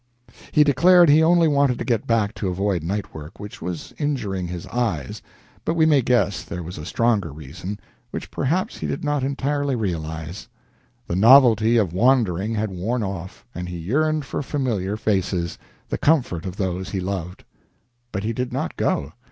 He declared he only wanted to get back to avoid night work, which was injuring his eyes, but we may guess there was a stronger reason, which perhaps he did not entirely realize. The novelty of wandering had worn off, and he yearned for familiar faces, the comfort of those he loved. But he did not go.